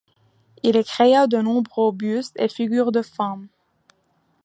Il créa de nombreux bustes et figures de femme.